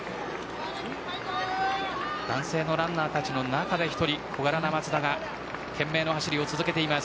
男性ランナーの中で小柄な松田が懸命な走りを続けています。